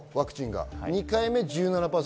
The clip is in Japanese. ２回目が１７％。